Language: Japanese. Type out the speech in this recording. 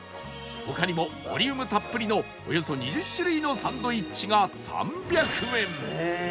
他にもボリュームたっぷりのおよそ２０種類のサンドイッチが３００円